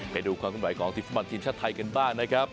ไปดูความขึ้นไหวของทีมฟุตบอลทีมชาติไทยกันบ้างนะครับ